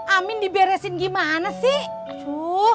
amin diberesin gimana sih